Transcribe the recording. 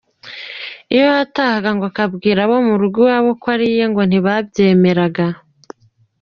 Iyo yatahaga ngo akabwira abo mu rugo iwabo ko ariye ngo ntibabyemeraga.